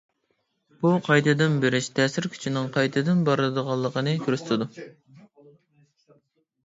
بۇ قايتىدىن بېرىش تەسىر كۈچىنىڭ قايتىدىن بارىدىغانلىقىنى كۆرسىتىدۇ.